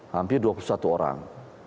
hampir dua puluh satu orang